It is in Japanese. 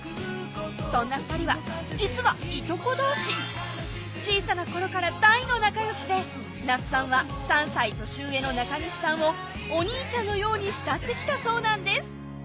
そんな２人は実はいとこ同士小さな頃から大の仲よしで那須さんは３歳年上の中西さんをお兄ちゃんのように慕ってきたそうなんです